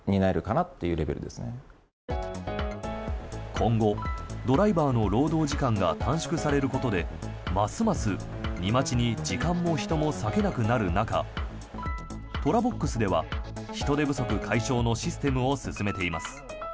今後、ドライバーの労働時間が短縮されることでますます、荷待ちに時間も人も避けなくなる中トラボックスでは人手不足解消のシステムを進めています。